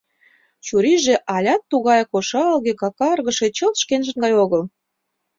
Чурийже алят тугаяк ошалге-какаргыше, чылт шкенжын гай огыл.